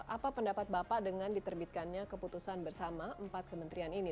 apa pendapat bapak dengan diterbitkannya keputusan bersama empat kementerian ini